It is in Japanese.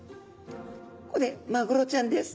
これマグロちゃんです。